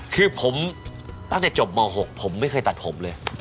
คือผมตั้งแต่จบม๖ผมไม่เคยตัดผมเลย